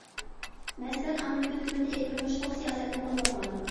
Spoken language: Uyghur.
مەسىلەن، ئامېرىكا ھۆكۈمىتى ئىلگىرى مۇشۇ خىل سىياسەتنى قوللانغان.